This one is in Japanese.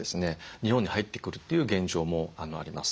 日本に入ってくるという現状もあります。